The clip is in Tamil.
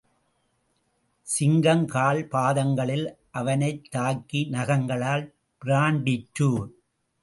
சிங்கம் கால் பாதங்களால் அவனைத் தாக்கி நகங்களால், பிறாண்டிற்று.